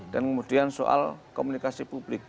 dan kemudian soal komunikasi publik